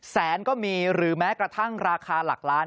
แสนก็มีหรือแม้กระทั่งราคาหลักล้าน